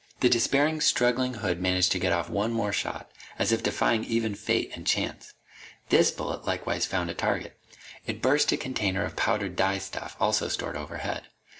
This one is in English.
The despairing, struggling hood managed to get off one more shot, as if defying even fate and chance. This bullet likewise found a target. It burst a container of powdered dye stuff, also stored overhead.